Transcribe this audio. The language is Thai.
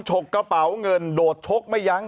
ฉกกระเป๋าเงินโดดชกไม่ยั้ง